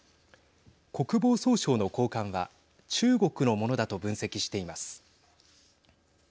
国防総省の高官は中国のものだと分析しています。